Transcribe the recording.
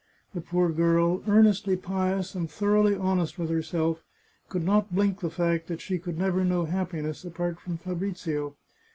The poor girl, earnestly pious and thoroughly honest with herself, could not blink the fact that she could never know happiness apart from Fabrizio.